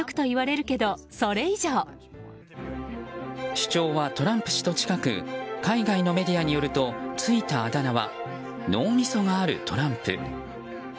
主張はトランプ氏と近く海外のメディアによるとついたあだ名は脳みそがあるトランプ。